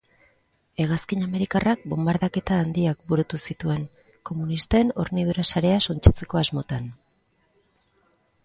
Hegazkin amerikarrak bonbardaketa handiak burutu zituen, komunisten hornidura-sarea suntsitzeko asmotan.